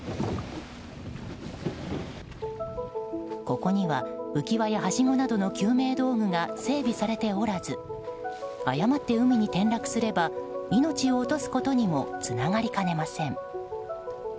ここには浮き輪やはしごなどの救命道具が整備されておらず誤って海に転落すれば命を落とすことにもつながりかねません。